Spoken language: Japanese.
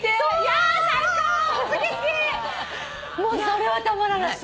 それはたまらない。